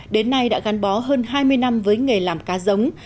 đến nay đã gắn bó hơn hai mươi năm với nghề làm cá giống